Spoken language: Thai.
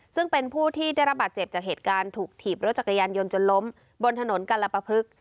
ซึ่งเป็นผู้ที่ได้รับบาดเจ็บจากเหตุการณ์ถูกถีบรถจักรยานยนต์จนล้มบนถนนกัลปพลึก